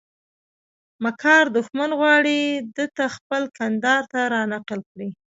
مکار دښمن غواړي دته خېل کندهار ته رانقل کړي.